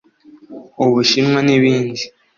u Bushinwa n’ibindi